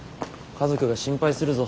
家族が心配するぞ。